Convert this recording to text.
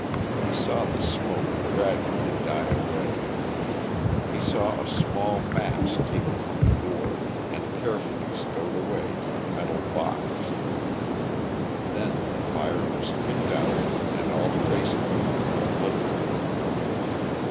He saw the smoke gradually die away; he saw a small mass taken from the gourd and carefully stowed away in a metal box. Then the fire was kicked out and all traces of it were obliterated.